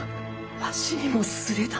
わしにも刷れた！